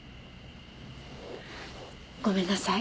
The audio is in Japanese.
ごめんなさい。